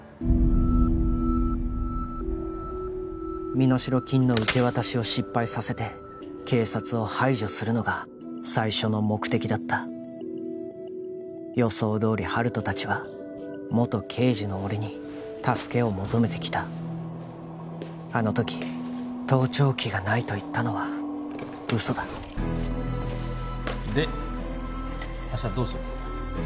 身代金の受け渡しを失敗させて警察を排除するのが最初の目的だった予想どおり温人達は元刑事の俺に助けを求めてきたあの時盗聴器がないと言ったのは嘘だで明日どうする？